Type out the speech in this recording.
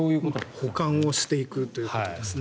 補完をしていくということですね。